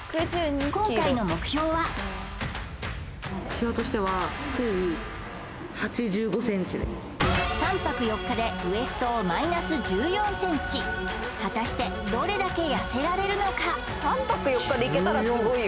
今回の目標は３泊４日でウエストをマイナス１４ｃｍ果たしてどれだけ痩せられるのか？